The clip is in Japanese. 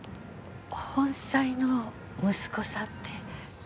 本妻の息子さんって。